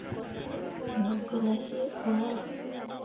Mo gi nah hii hwaare.